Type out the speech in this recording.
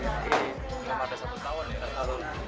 belum ada satu tahun